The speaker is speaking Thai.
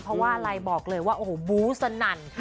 เพราะว่าใลน์บอกเลยว่าบุ๋สนั่น